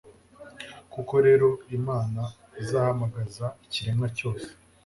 koko rero, imana izahamagaza ikiremwa cyose